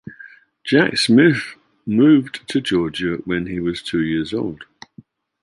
Jack Smith moved to Georgia when he was two years old.